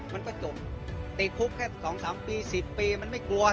มันก็จบติดพุกแค่สองสามปีสิบปีมันไม่กลัวนะครับ